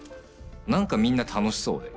何かみんな楽しそうで。